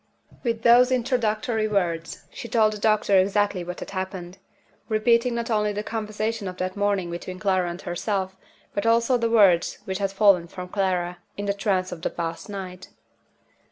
With those introductory words, she told the doctor exactly what had happened; repeating not only the conversation of that morning between Clara and herself, but also the words which had fallen from Clara, in the trance of the past night.